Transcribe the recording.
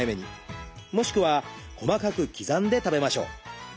もしくは細かく刻んで食べましょう。